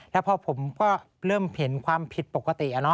แล้วพอผมก็เริ่มเห็นความผิดปกติ